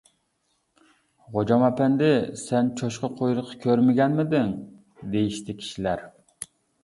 -غوجام ئەپەندى، سەن چوشقا قۇيرۇقى كۆرمىگەنمىدىڭ؟ -دېيىشتى كىشىلەر.